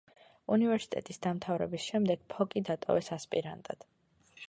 უნივერსიტეტის დამთავრების შემდეგ ფოკი დატოვეს ასპირანტად.